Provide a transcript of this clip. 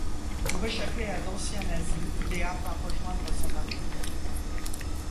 Pour échapper à d'anciens nazis, Léa part rejoindre son mari.